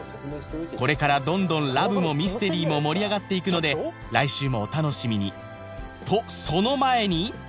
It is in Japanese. これからどんどんラブもミステリーも盛り上がっていくので来週もお楽しみにとその前に！